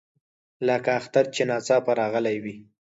لکه اختر چې ناڅاپه راغلی وي.